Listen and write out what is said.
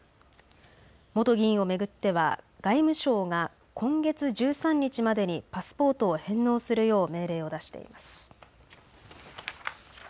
元議員を巡っては外務省が今月１３日までにパスポートを返納するよう命令を出しています。